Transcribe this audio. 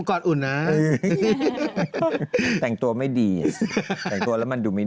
กอดอุ่นฮะแต่งตัวไม่ดีแต่งตัวแล้วมันดูดี